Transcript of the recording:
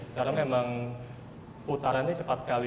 sekarang memang putarannya cepat sekali